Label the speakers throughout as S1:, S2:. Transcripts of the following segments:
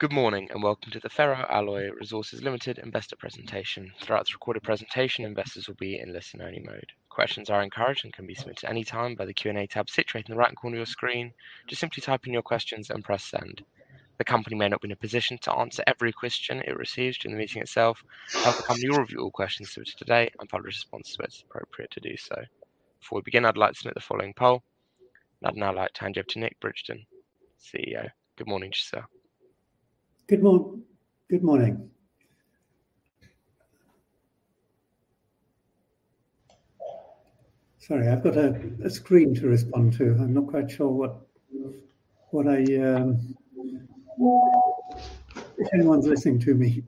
S1: Good morning, and welcome to the Ferro-Alloy Resources Limited Investor Presentation. Throughout this recorded presentation, investors will be in listen-only mode. Questions are encouraged and can be submitted at any time by the Q&A tab situated in the right corner of your screen. Just simply type in your questions and press send. The company may not be in a position to answer every question it receives during the meeting itself. However, the company will review all questions submitted today and file a response to it if it's appropriate to do so. Before we begin, I'd like to submit the following poll. I'd now like to hand you over to Nick Bridgen, CEO. Good morning to you, sir.
S2: Good morning. Sorry, I've got a screen to respond to. I'm not quite sure if anyone's listening to me.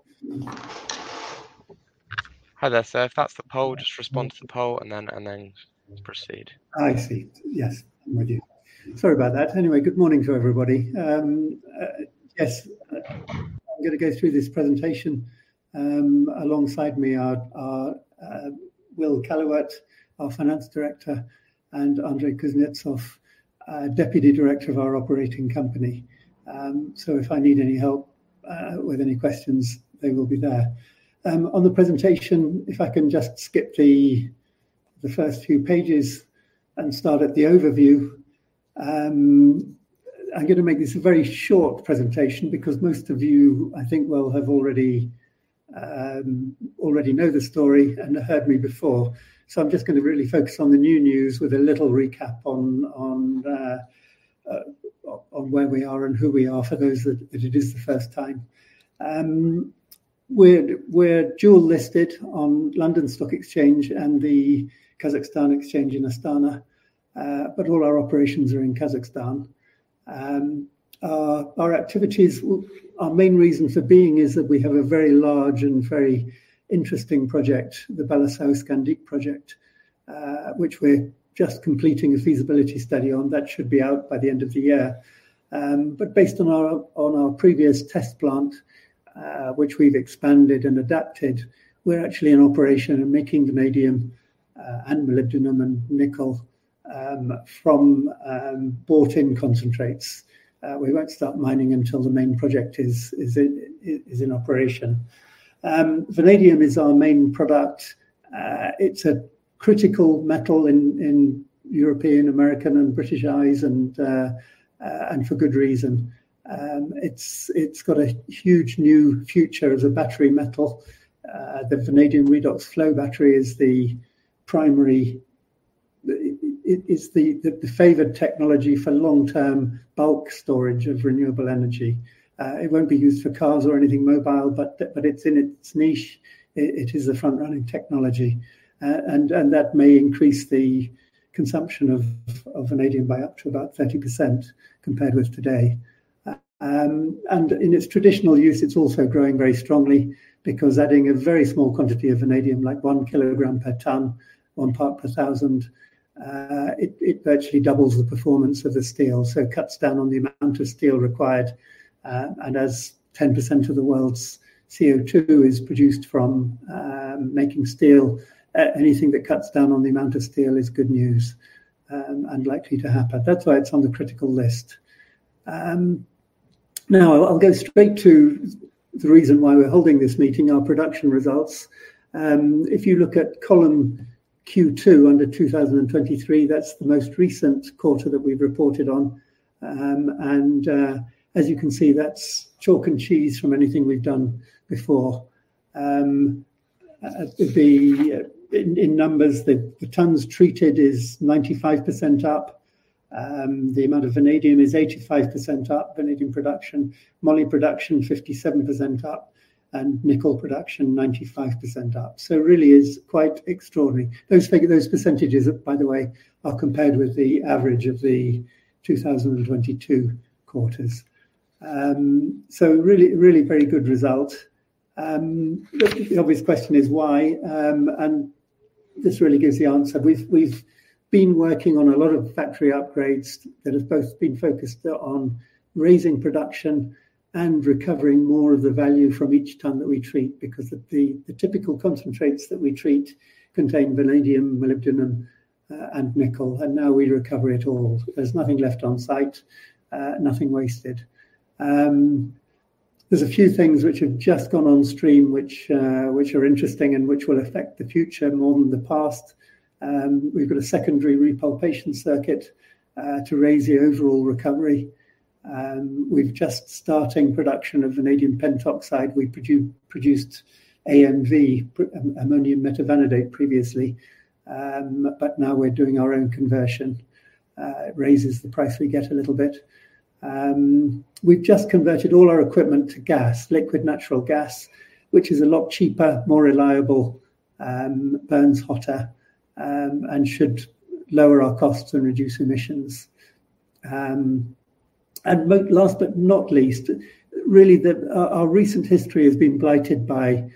S1: Hi there, sir. If that's the poll, just respond to the poll and then proceed.
S2: I see. Yes. Thank you. Sorry about that. Anyway, good morning to everybody. Yes, I'm gonna go through this presentation. Alongside me are Will Callewaert, our Finance Director, and Andrey Kuznetsov, Deputy Director of our operating company. If I need any help with any questions, they will be there. On the presentation, if I can just skip the first few pages and start at the overview. I'm gonna make this a very short presentation because most of you, I think, will have already know the story and have heard me before. I'm just gonna really focus on the new news with a little recap on where we are and who we are for those that it is the first time. We're dual listed on London Stock Exchange and the Kazakhstan Stock Exchange in Astana, but all our operations are in Kazakhstan. Our main reason for being is that we have a very large and very interesting project, the Balasausqandiq project, which we're just completing a feasibility study on. That should be out by the end of the year. Based on our previous test plant, which we've expanded and adapted, we're actually in operation and making vanadium and molybdenum and nickel from bought-in concentrates. We won't start mining until the main project is in operation. Vanadium is our main product. It's a critical metal in European, American, and British eyes, and for good reason. It's got a huge new future as a battery metal. The vanadium redox flow battery is the favored technology for long-term bulk storage of renewable energy. It won't be used for cars or anything mobile, but it's in its niche. It is a front-running technology. That may increase the consumption of vanadium by up to about 30% compared with today. In its traditional use, it's also growing very strongly because adding a very small quantity of vanadium, like 1 kg per ton, 1 part per thousand, it virtually doubles the performance of the steel, so it cuts down on the amount of steel required. As 10% of the world's CO2 is produced from making steel, anything that cuts down on the amount of steel is good news and likely to happen. That's why it's on the critical list. Now I'll go straight to the reason why we're holding this meeting, our production results. If you look at column Q2 under 2023, that's the most recent quarter that we've reported on. As you can see, that's chalk and cheese from anything we've done before. In numbers, the tons treated is 95% up. The amount of vanadium is 85% up, vanadium production. Moly production, 57% up. Nickel production, 95% up. It really is quite extraordinary. Those percentages, by the way, are compared with the average of the 2022 quarters. Really very good result. The obvious question is why, this really gives the answer. We've been working on a lot of factory upgrades that have both been focused on raising production and recovering more of the value from each ton that we treat, because the typical concentrates that we treat contain vanadium, molybdenum, and nickel, and now we recover it all. There's nothing left on-site, nothing wasted. There's a few things which have just gone on stream which are interesting and which will affect the future more than the past. We've got a secondary repulping circuit to raise the overall recovery. We've just starting production of vanadium pentoxide. We produced AMV, ammonium metavanadate previously, but now we're doing our own conversion. It raises the price we get a little bit. We've just converted all our equipment to gas, liquefied natural gas, which is a lot cheaper, more reliable, burns hotter, and should lower our costs and reduce emissions. Last but not least, really our recent history has been blighted by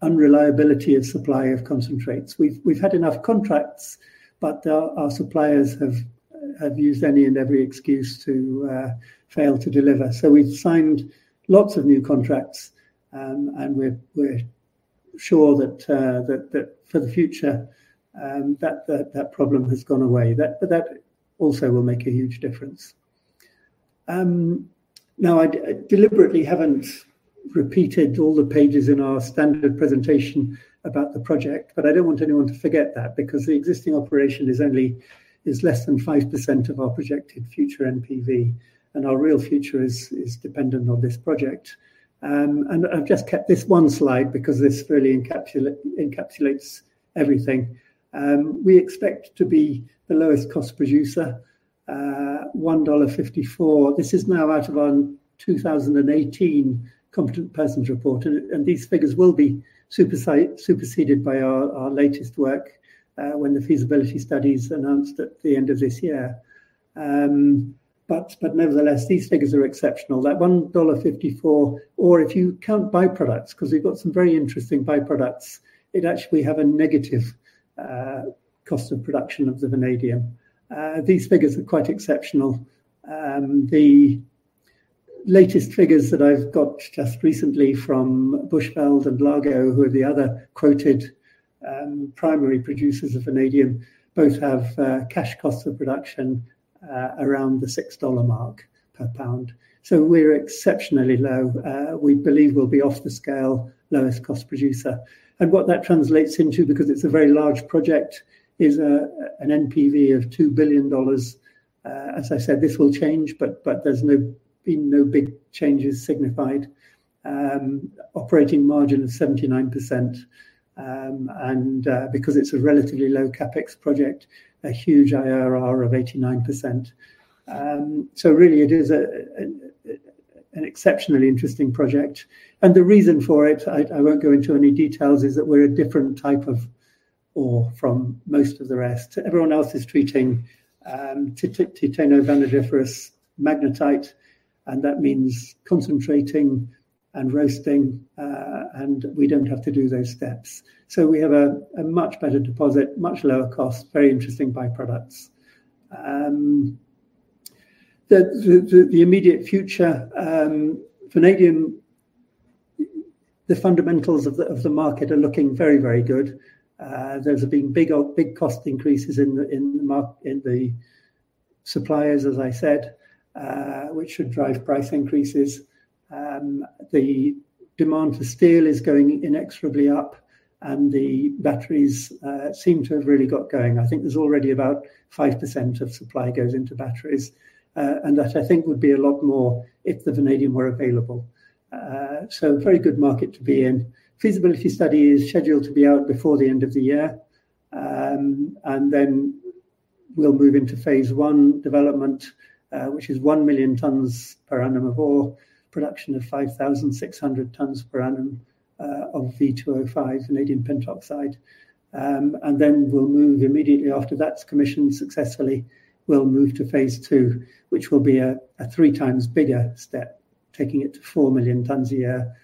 S2: unreliability of supply of concentrates. We've had enough contracts, but our suppliers have used any and every excuse to fail to deliver. We've signed lots of new contracts, and we're sure that for the future that problem has gone away. That also will make a huge difference. I deliberately haven't repeated all the pages in our standard presentation about the project, but I don't want anyone to forget that because the existing operation is less than 5% of our projected future NPV, and our real future is dependent on this project. I've just kept this one slide because this really encapsulates everything. We expect to be the lowest cost producer, $1.54. This is now out of our 2018 Competent Person's Report and these figures will be superseded by our latest work when the feasibility study's announced at the end of this year. Nevertheless, these figures are exceptional. That $1.54 or if you count byproducts, 'cause we've got some very interesting byproducts, it'd actually have a negative cost of production of the vanadium. These figures are quite exceptional. The latest figures that I've got just recently from Bushveld and Largo, who are the other quoted primary producers of vanadium, both have cash costs of production around the $6 mark per pound. We're exceptionally low. We believe we'll be off the scale lowest cost producer. What that translates into, because it's a very large project, is an NPV of $2 billion. As I said, this will change, but there's been no big changes signified. Operating margin of 79%, and because it's a relatively low CapEx project, a huge IRR of 89%. Really it is an exceptionally interesting project. The reason for it, I won't go into any details, is that we're a different type of ore from most of the rest. Everyone else is treating titaniferous-vanadiferous magnetite, and that means concentrating and roasting, and we don't have to do those steps. We have a much better deposit, much lower cost, very interesting byproducts. The immediate future, vanadium, the fundamentals of the market are looking very, very good. There's been big cost increases in the suppliers, as I said, which should drive price increases. The demand for steel is going inexorably up and the batteries seem to have really got going. I think there's already about 5% of supply goes into batteries, and that I think would be a lot more if the vanadium were available. Very good market to be in. Feasibility study is scheduled to be out before the end of the year, and then we'll move into phase I development, which is 1 million tons per annum of ore, production of 5,600 tons per annum of V2O5, vanadium pentoxide. Then we'll move immediately after that's commissioned successfully, we'll move to phase II, which will be a 3x bigger step, taking it to 4 million tons a year,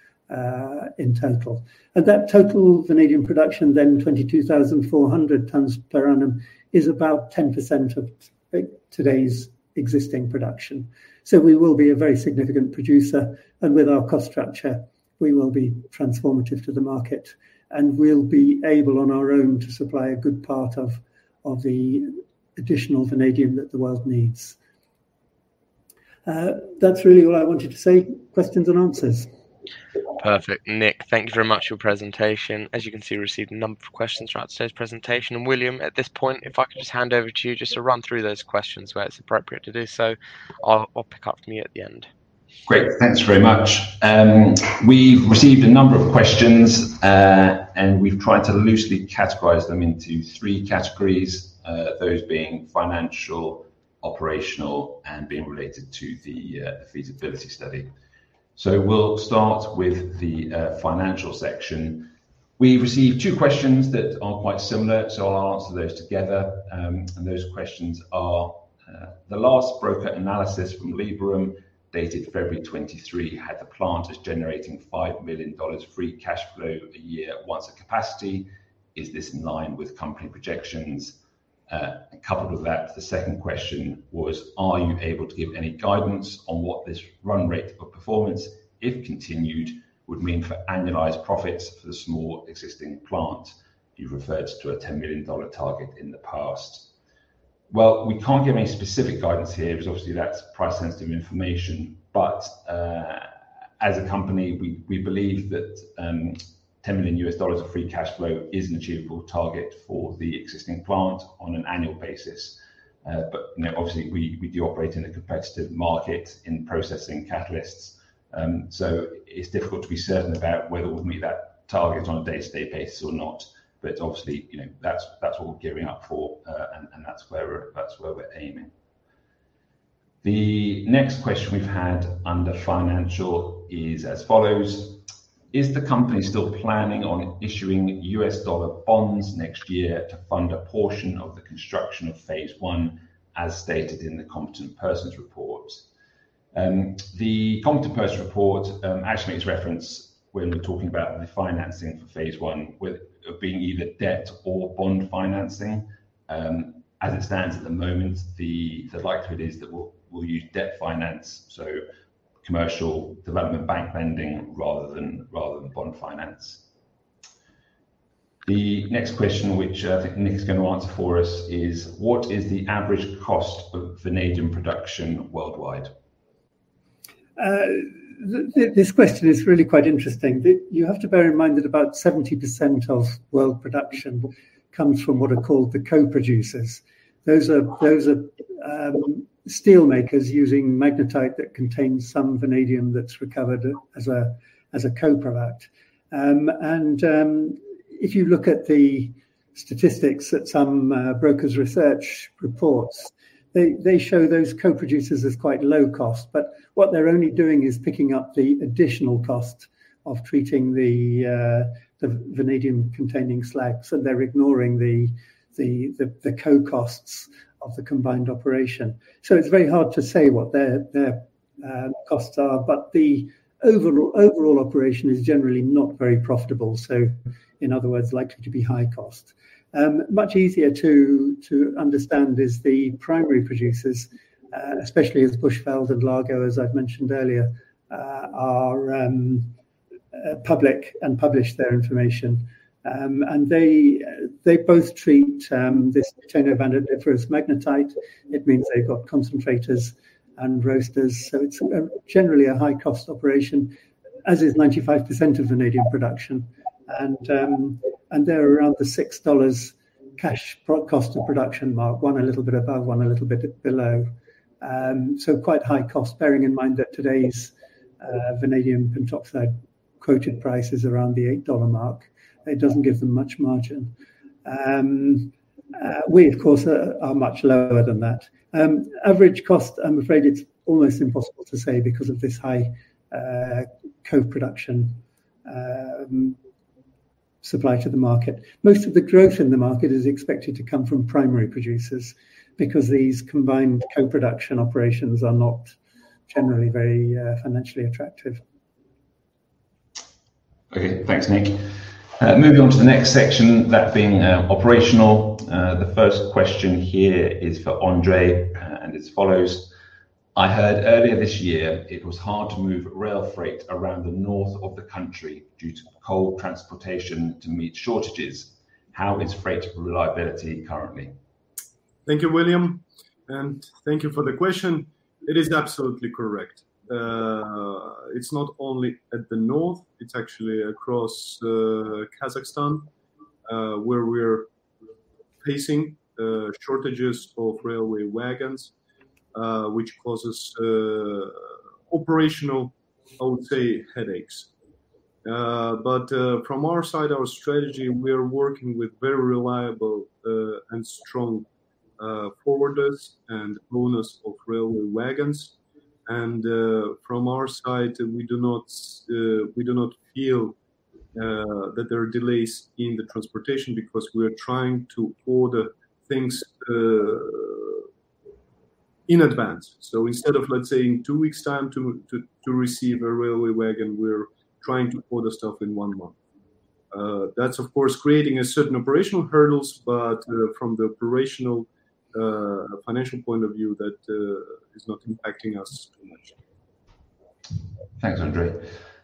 S2: in total. That total vanadium production then 22,400 tons per annum is about 10% of today's existing production. We will be a very significant producer, and with our cost structure, we will be transformative to the market, and we'll be able on our own to supply a good part of the additional vanadium that the world needs. That's really all I wanted to say. Questions and answers.
S1: Perfect. Nick, thank you very much for your presentation. As you can see, we received a number of questions throughout today's presentation. William, at this point, if I could just hand over to you just to run through those questions where it's appropriate to do so, I'll pick up from you at the end.
S3: Great. Thanks very much. We've received a number of questions, and we've tried to loosely categorize them into three categories, those being financial, operational, and being related to the feasibility study. We'll start with the financial section. We received two questions that are quite similar, so I'll answer those together. And those questions are, the last broker analysis from Liberum, dated February 23, had the plant as generating $5 million free cash flow a year once at capacity. Is this in line with company projections? Coupled with that, the second question was, are you able to give any guidance on what this run rate of performance, if continued, would mean for annualized profits for the small existing plant? You've referred to a $10 million target in the past. Well, we can't give any specific guidance here because obviously that's price sensitive information. As a company, we believe that $10 million of free cash flow is an achievable target for the existing plant on an annual basis. You know, obviously, we do operate in a competitive market in processing catalysts, so it's difficult to be certain about whether we'll meet that target on a day-to-day basis or not. Obviously, you know, that's what we're gearing up for, and that's where we're aiming. The next question we've had under financial is as follows: Is the company still planning on issuing U.S. dollar bonds next year to fund a portion of the construction of phase I, as stated in the Competent Person's Report? The Competent Person's Report actually makes reference when we're talking about the financing for phase I with of being either debt or bond financing. As it stands at the moment, the likelihood is that we'll use debt finance. Commercial development bank lending rather than bond finance. The next question, which I think Nick's gonna answer for us is, what is the average cost of vanadium production worldwide?
S2: This question is really quite interesting. You have to bear in mind that about 70% of world production comes from what are called the co-producers. Those are steel makers using magnetite that contains some vanadium that's recovered as a co-product. If you look at the statistics that some brokers research reports, they show those co-producers as quite low cost. What they're only doing is picking up the additional cost of treating the vanadium-containing slag. They're ignoring the costs of the combined operation. It's very hard to say what their costs are. The overall operation is generally not very profitable, so in other words, likely to be high cost. Much easier to understand is the primary producers, especially as Bushveld and Largo, as I've mentioned earlier, are public and publish their information. They both treat this titaniferous magnetite. It means they've got concentrators and roasters, so it's generally a high cost operation, as is 95% of vanadium production. They're around the $6 cash cost of production mark, one a little bit above, one a little bit below. So quite high cost, bearing in mind that today's vanadium pentoxide quoted price is around the $8 mark. It doesn't give them much margin. We of course are much lower than that. Average cost, I'm afraid it's almost impossible to say because of this high co-production supply to the market. Most of the growth in the market is expected to come from primary producers because these combined co-production operations are not generally very, financially attractive.
S3: Okay. Thanks, Nick. Moving on to the next section, that being operational. The first question here is for Andrey, and it follows: I heard earlier this year it was hard to move rail freight around the north of the country due to coal transportation to meet shortages. How is freight reliability currently?
S4: Thank you, William, and thank you for the question. It is absolutely correct. It's not only at the north, it's actually across Kazakhstan, where we're facing shortages of railway wagons, which causes operational, I would say, headaches. From our side, our strategy, we are working with very reliable and strong forwarders and owners of railway wagons. From our side, we do not feel that there are delays in the transportation because we are trying to order things in advance. Instead of, let's say, in two weeks time to receive a railway wagon, we're trying to order stuff in one month. That's of course creating a certain operational hurdles, but from the operational financial point of view, that is not impacting us too much.
S3: Thanks, Andrey.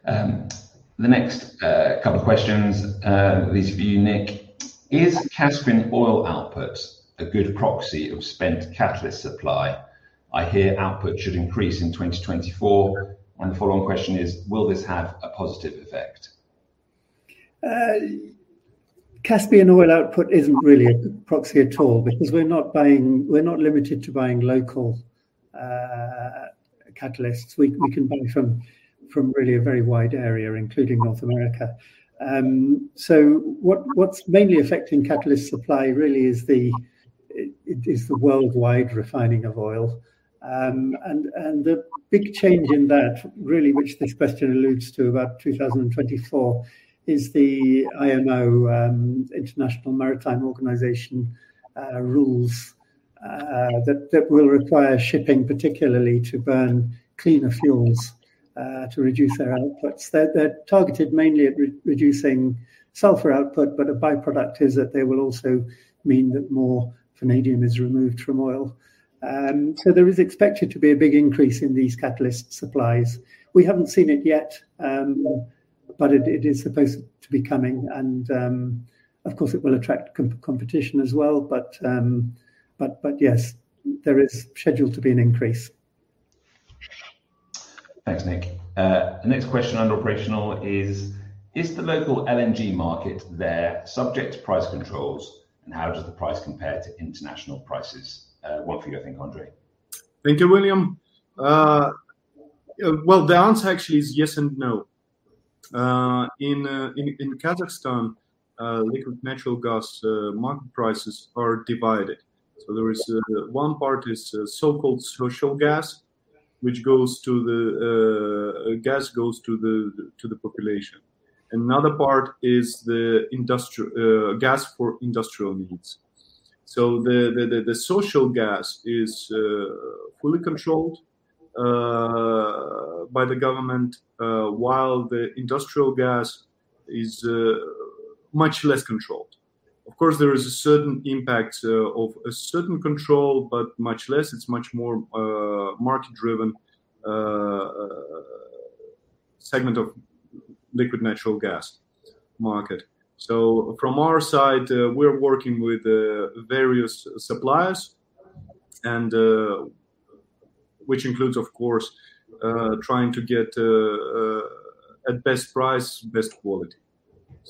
S3: The next couple questions, these are for you, Nick. Is Caspian oil output a good proxy of spent catalyst supply? I hear output should increase in 2024. The follow-on question is, will this have a positive effect?
S2: Caspian oil output isn't really a good proxy at all because we're not limited to buying local catalysts. We can buy from really a very wide area, including North America. What's mainly affecting catalyst supply really is the worldwide refining of oil. The big change in that really which this question alludes to about 2024 is the IMO, International Maritime Organization, rules that will require shipping particularly to burn cleaner fuels to reduce their outputs. They're targeted mainly at reducing sulfur output, but a by-product is that they will also mean that more vanadium is removed from oil. There is expected to be a big increase in these catalyst supplies. We haven't seen it yet, but it is supposed to be coming and, of course it will attract competition as well. Yes, there is scheduled to be an increase.
S3: Thanks, Nick. The next question under operational is: Is the local LNG market there subject to price controls, and how does the price compare to international prices? One for you I think, Andrey.
S4: Thank you, William. Well, the answer actually is yes and no. In Kazakhstan, liquefied natural gas market prices are divided. There is one part is so-called social gas, which goes to the population. Another part is the industrial gas for industrial needs. The social gas is fully controlled by the government while the industrial gas is much less controlled. Of course, there is a certain impact of a certain control, but much less. It's much more market-driven segment of liquefied natural gas market. From our side, we're working with various suppliers and which includes, of course, trying to get at best price, best quality.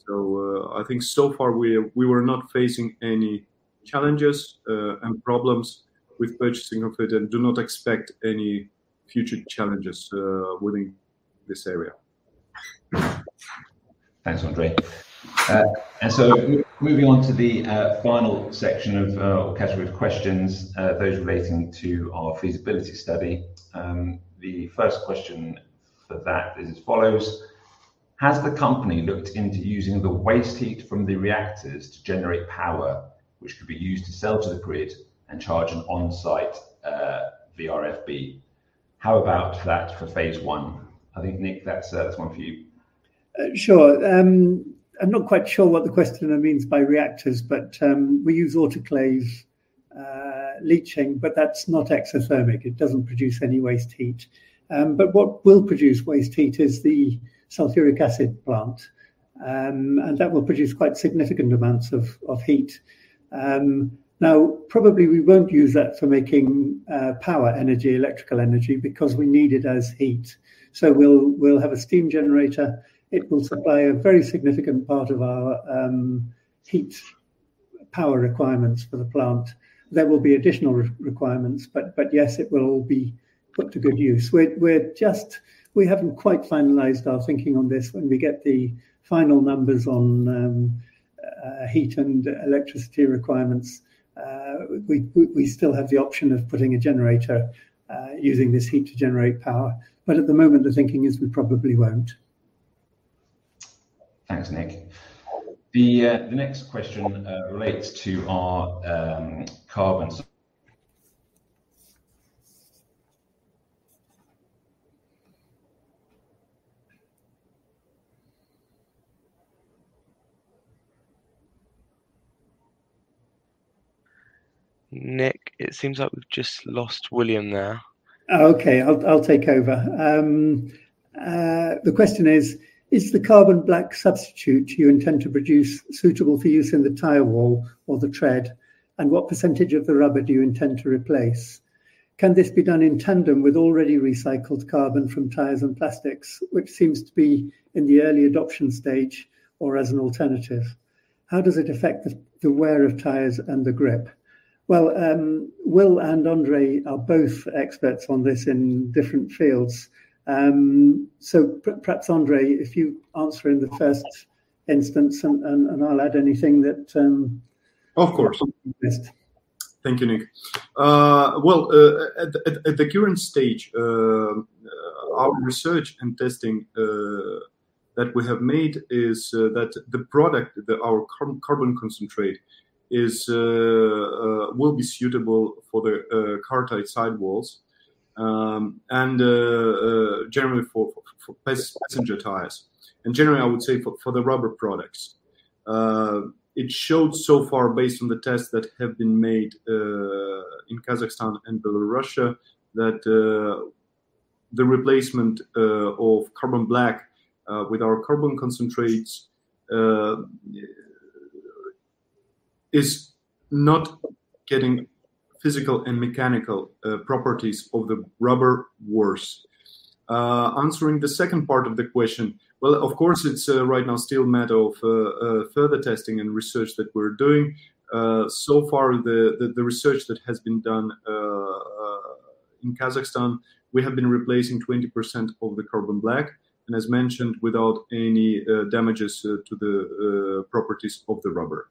S4: I think so far we were not facing any challenges and problems with purchasing of it and do not expect any future challenges within this area.
S3: Thanks, Andrey. Moving on to the final section of category of questions, those relating to our feasibility study. The first question for that is as follows: Has the company looked into using the waste heat from the reactors to generate power, which could be used to sell to the grid and charge an on-site VRFB? How about that for phase one? I think, Nick, that's one for you.
S2: Sure. I'm not quite sure what the questioner means by reactors, but we use autoclaves, leaching, but that's not exothermic. It doesn't produce any waste heat. What will produce waste heat is the sulfuric acid plant. That will produce quite significant amounts of heat. Now, probably we won't use that for making power energy, electrical energy, because we need it as heat. We'll have a steam generator. It will supply a very significant part of our heat power requirements for the plant. There will be additional requirements, but yes, it will all be put to good use. We haven't quite finalized our thinking on this. When we get the final numbers on heat and electricity requirements, we still have the option of putting a generator using this heat to generate power. At the moment, the thinking is we probably won't.
S3: Thanks, Nick. The next question relates to our carbon.
S1: Nick, it seems like we've just lost William there.
S2: Okay. I'll take over. The question is: Is the carbon black substitute you intend to produce suitable for use in the tire wall or the tread? And what percentage of the rubber do you intend to replace? Can this be done in tandem with already recycled carbon from tires and plastics, which seems to be in the early adoption stage or as an alternative? How does it affect the wear of tires and the grip? Well, Will and Andrey are both experts on this in different fields. Perhaps Andrey, if you answer in the first instance and I'll add anything that-
S4: Of course.
S2: You missed.
S4: Thank you, Nick. At the current stage, our research and testing that we have made is that the product that our carbon concentrate is will be suitable for the car tire sidewalls, and generally for passenger tires. Generally, I would say for the rubber products. It showed so far based on the tests that have been made in Kazakhstan and Belarus that the replacement of carbon black with our carbon concentrates is not getting physical and mechanical properties of the rubber worse. Answering the second part of the question. Well, of course, it's right now still a matter of further testing and research that we're doing. So far, the research that has been done in Kazakhstan, we have been replacing 20% of the carbon black, and as mentioned, without any damages to the properties of the rubber.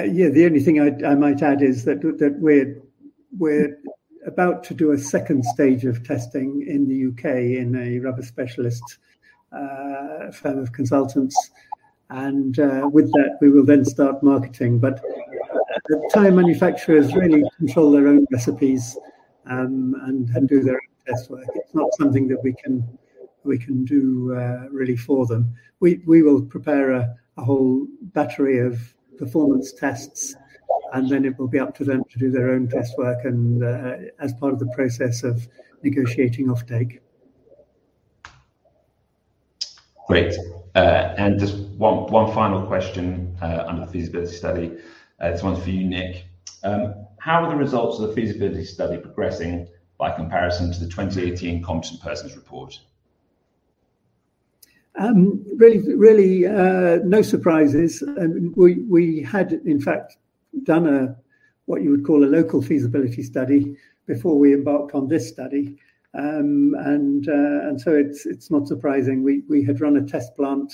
S2: The only thing I might add is that we're about to do a second stage of testing in the U.K. in a rubber specialist firm of consultants. With that, we will then start marketing. At the time, manufacturers really control their own recipes and do their own test work. It's not something that we can do really for them. We will prepare a whole battery of performance tests, and then it will be up to them to do their own test work and as part of the process of negotiating offtake.
S3: Great. Just one final question on the feasibility study. This one's for you, Nick. How are the results of the feasibility study progressing by comparison to the 2018 Competent Person's Report?
S2: Really, no surprises. We had in fact done a, what you would call a local feasibility study before we embarked on this study. It's not surprising. We had run a test plant,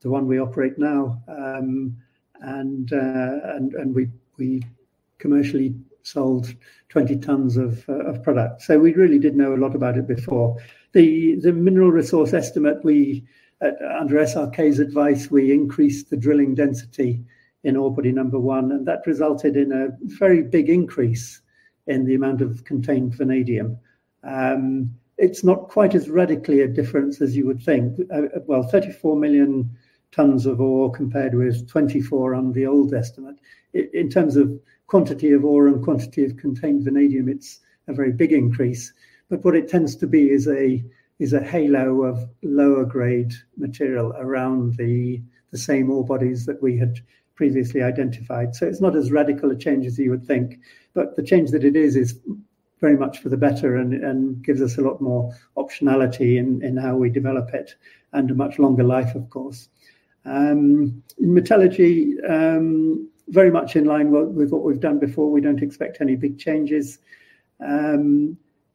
S2: the one we operate now, and we commercially sold 20 tons of product. So we really did know a lot about it before. The mineral resource estimate, under SRK's advice, we increased the drilling density in ore body number one, and that resulted in a very big increase in the amount of contained vanadium. It's not quite as radically a difference as you would think. Well, 34 million tons of ore compared with 24 on the old estimate. In terms of quantity of ore and quantity of contained vanadium, it's a very big increase. What it tends to be is a halo of lower grade material around the same ore bodies that we had previously identified. It's not as radical a change as you would think. The change that it is is very much for the better and gives us a lot more optionality in how we develop it and a much longer life, of course. In metallurgy, very much in line with what we've done before. We don't expect any big changes.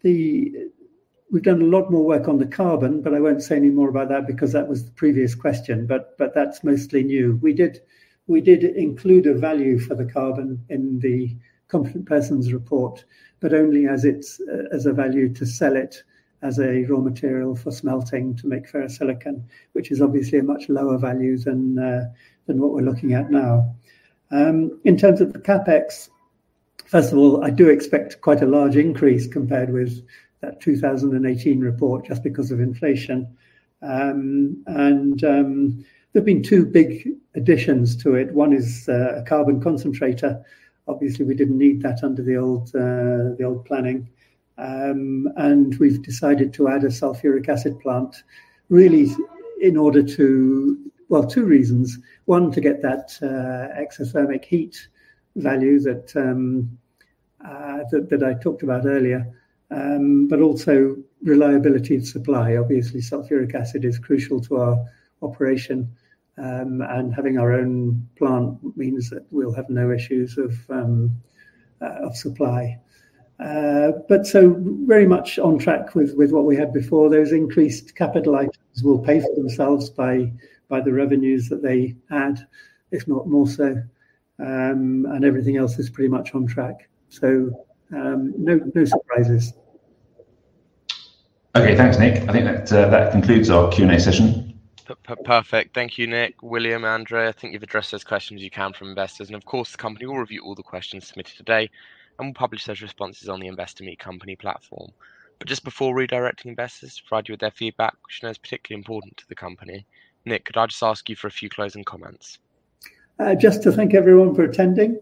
S2: We've done a lot more work on the carbon, but I won't say any more about that because that was the previous question. That's mostly new. We did include a value for the carbon in the Competent Person's Report, but only as a value to sell it as a raw material for smelting to make ferrosilicon, which is obviously a much lower value than what we're looking at now. In terms of the CapEx, first of all, I do expect quite a large increase compared with that 2018 report just because of inflation. There have been two big additions to it. One is a carbon concentrator. Obviously, we didn't need that under the old planning. We've decided to add a sulfuric acid plant, really in order to well, two reasons. One, to get that exothermic heat value that I talked about earlier, but also reliability of supply. Obviously, sulfuric acid is crucial to our operation, and having our own plant means that we'll have no issues of supply. Very much on track with what we had before. Those increased capital items will pay for themselves by the revenues that they add, if not more so. Everything else is pretty much on track. No surprises.
S3: Okay. Thanks, Nick. I think that concludes our Q&A session.
S1: Perfect. Thank you, Nick, William, Andrey. I think you've addressed as many questions as you can from investors. Of course, the company will review all the questions submitted today and will publish those responses on the Investor Meet Company platform. Just before redirecting investors to provide you with their feedback, which I know is particularly important to the company, Nick, could I just ask you for a few closing comments?
S2: Just to thank everyone for attending.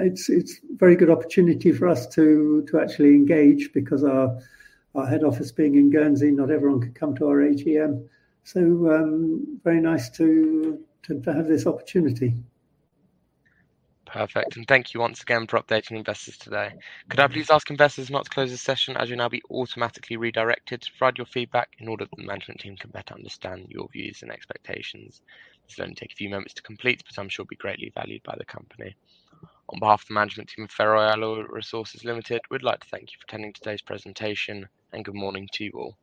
S2: It's very good opportunity for us to actually engage because our head office being in Guernsey, not everyone could come to our AGM. Very nice to have this opportunity.
S1: Perfect. Thank you once again for updating investors today. Could I please ask investors now to close this session as you'll now be automatically redirected to provide your feedback in order that the management team can better understand your views and expectations. This will only take a few moments to complete, but I'm sure it'll be greatly valued by the company. On behalf of the management team of Ferro-Alloy Resources Limited, we'd like to thank you for attending today's presentation, and good morning to you all.